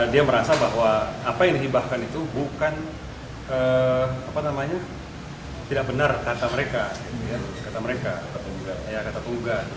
dia merasa bahwa apa yang dihibahkan itu bukan apa namanya tidak benar kata mereka